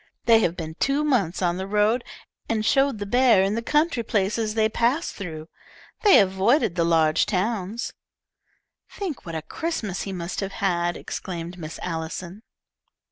They have been two months on the road, and showed the bear in the country places they passed through. They avoided the large towns." "Think what a Christmas he must have had!" exclaimed Miss Allison.